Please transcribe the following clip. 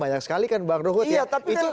banyak sekali kan bang rohut